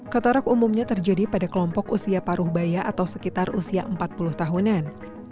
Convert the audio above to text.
katarak umumnya terjadi pada kelompok usia paruh baya atau sekitar usia empat puluh tahunan